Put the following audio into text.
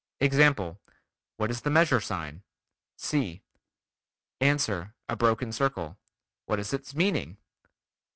Example: What is the measure sign? (C) Ans. A broken circle. What is its meaning?